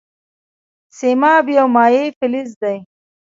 سیماب یو مایع فلز دی.